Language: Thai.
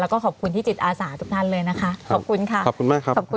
แล้วก็ขอบคุณที่จิตอาสาทุกท่านเลยนะคะขอบคุณค่ะขอบคุณมากครับขอบคุณ